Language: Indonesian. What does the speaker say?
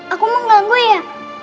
aku mau nganggu ya